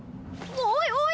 おいおい！